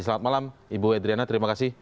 selamat malam ibu edriana terima kasih